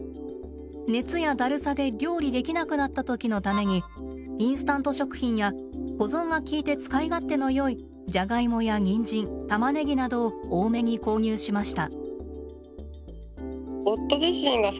熱やだるさで料理できなくなった時のためにインスタント食品や保存がきいて使い勝手のよいジャガイモやニンジンタマネギなどを多めに購入しました。